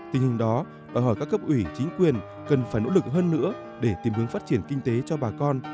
tình hình đó đòi hỏi các cấp ủy chính quyền cần phải nỗ lực hơn nữa để tìm hướng phát triển kinh tế cho bà con